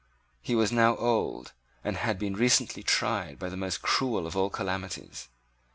He was now old, and had been recently tried by the most cruel of all calamities.